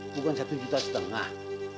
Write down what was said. bukan satu juta setengah